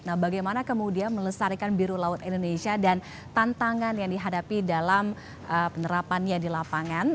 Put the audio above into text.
nah bagaimana kemudian melestarikan biru laut indonesia dan tantangan yang dihadapi dalam penerapannya di lapangan